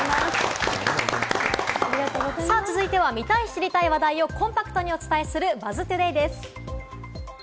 続いては、見たい知りたい話題をコンパクトにお伝えする「ＢＵＺＺＴＯＤＡＹ」です。